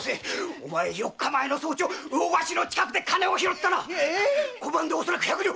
おまえ四日前の早朝魚河岸の近くで金を拾ったな⁉小判で恐らく百両！